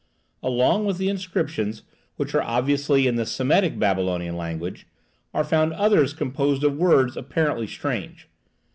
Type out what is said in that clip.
Along with the inscriptions, which are obviously in the Semitic Babylonian language, are found others composed of words apparently strange.